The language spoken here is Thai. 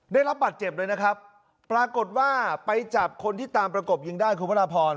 ได้รับบัตรเจ็บเลยนะครับปรากฏว่าไปจับคนที่ตามประกบยิงได้คุณพระราพร